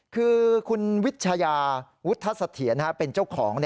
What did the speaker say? คือคุณวิชยาวุฒเสถียรเป็นเจ้าของ